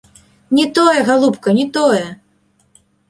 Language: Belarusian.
Не тое, галубка, не тое!